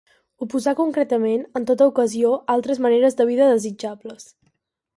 Oposar concretament, en tota ocasió, altres maneres de vida desitjables.